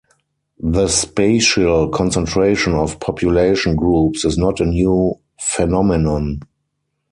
The spatial concentration of population groups is not a new phenomenon.